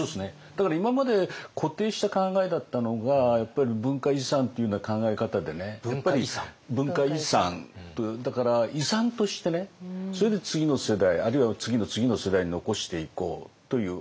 だから今まで固定した考えだったのがやっぱり文化遺産っていうような考え方でね文化遺産だから遺産としてそれで次の世代あるいは次の次の世代に残していこうという。